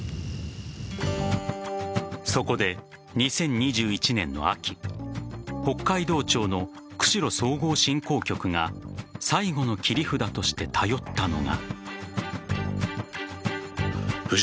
そこで、２０２１年の秋北海道庁の釧路総合振興局が最後の切り札として頼ったのが。